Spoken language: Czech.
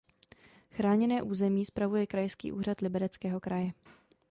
Chráněné území spravuje Krajský úřad Libereckého kraje.